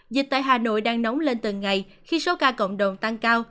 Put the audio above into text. dịch tại hà nội đang nóng lên từng ngày khi số ca cộng đồng tăng cao